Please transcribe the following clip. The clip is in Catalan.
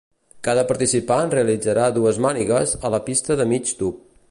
Cada participant realitzà dues mànigues a la pista de migtub.